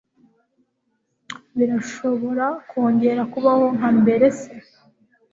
Birashobora kongera kubaho nka mbere se.